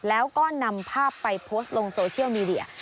แล้วก็นำภาพไปโพสต์ลงโซเชียลมีเดีย